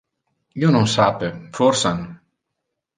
Io non sape, forsan.